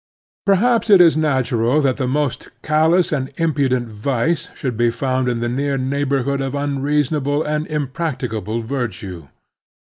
Perhaps it is natural that the most callous and impudent vice should be found in the near neighborhood of unreasonable and impracticable virtue.